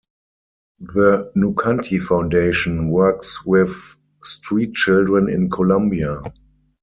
The Nukanti Foundation works with street children in Colombia.